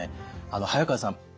早川さん